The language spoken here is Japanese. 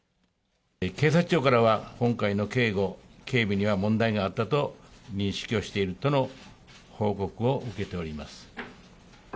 警察庁からは今回の警護警備には問題があったと認識をしているとの報告を受けております。